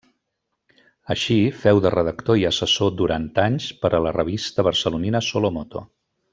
Així, féu de redactor i assessor durant anys per a la revista barcelonina Solo Moto.